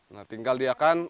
nah tinggal dia kan